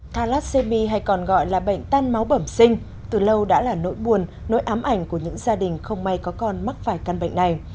thalassemy hay còn gọi là bệnh tan máu bẩm sinh từ lâu đã là nỗi buồn nỗi ám ảnh của những gia đình không may có con mắc phải căn bệnh này